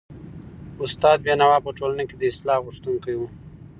استاد بينوا په ټولنه کي د اصلاح غوښتونکی و.